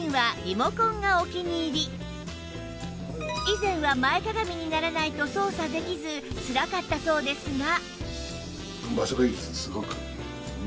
以前は前かがみにならないと操作できずつらかったそうですが